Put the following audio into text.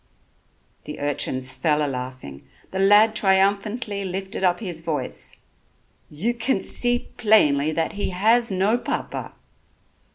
The urchins fell a laughing. The lad triumphantly lifted up his voice: "You can see plainly that he has no papa."